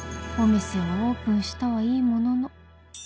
お店をオープンしたはいいものの